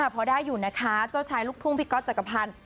พอได้อยู่นะคะเจ้าชายลูกทุ่งพี่ก๊อตจักรพันธ์